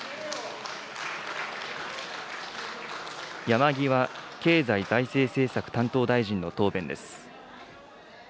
山際経済財政政策担当大臣の答弁です。